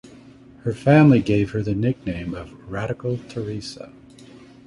Her family gave her the nickname of "Radical Theresa".